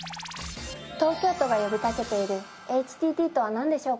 東京都が呼びかけているＨＴＴとはなんでしょうか？